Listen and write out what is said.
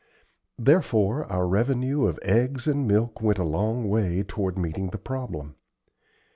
Therefore, our revenue of eggs and milk went a long way toward meeting the problem.